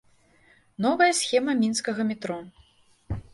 Новая схема мінскага метро.